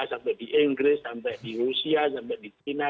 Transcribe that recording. sampai di inggris sampai di rusia sampai di china